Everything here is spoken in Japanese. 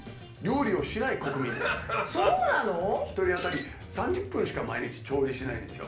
１人当たり３０分しか毎日調理しないんですよ。